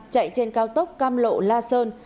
chạy trên cao tốc cam lộ la sơn